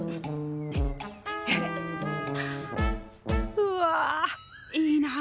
うわいいな！